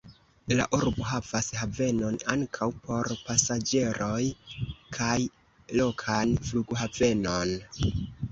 La urbo havas havenon (ankaŭ por pasaĝeroj) kaj lokan flughavenon.